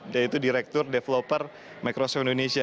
yaitu direktur developer microsof indonesia